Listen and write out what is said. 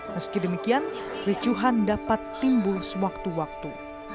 meski demikian ricuhan dapat timbul sewaktu waktu